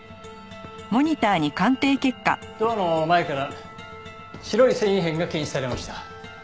ドアの前から白い繊維片が検出されました。